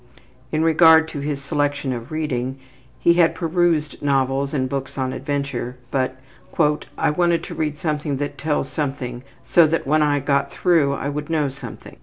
In regard to his selection of reading: he had perused novels and books on adventure, but ``I wanted to read something that tells something so that when I got through I would know something.''